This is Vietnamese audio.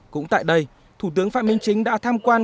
cũng tại đây thủ tướng phạm minh chính đã tham quan